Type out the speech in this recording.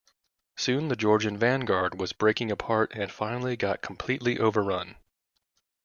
Soon the Georgian vanguard was breaking apart and finally got completely overrun.